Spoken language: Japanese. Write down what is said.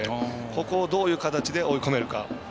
ここをどういう形で追い込めるか。